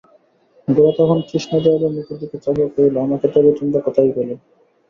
গোরা তখন কৃষ্ণদয়ালের মুখের দিকে চাহিয়া কহিল, আমাকে তবে তোমরা কোথায় পেলে?